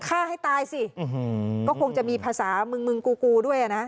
ฆ่าให้ตายสิก็คงจะมีภาษามึงมึงกูกูด้วยอ่ะนะ